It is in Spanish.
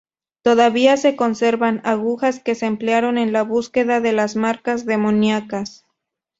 Todavía se conservan "agujas" que se emplearon en la búsqueda de las marcas demoníacas.